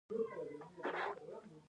او جنسي عضو ته د وينې ترسيل کموي